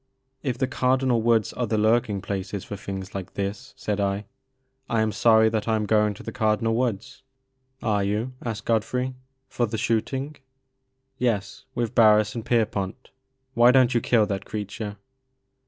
If the Cardinal Woods are the Itirking places for things like this," said I, I am sorry that I am going to the Cardinal Woods. " The Maker of Moons. 5 " Are you ?'' asked Godfrey ;for the shoot ing?" "Yes, with Barris and Pierpont. Why don't you kill that creature